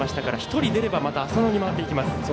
１人出れば浅野に回っていきます。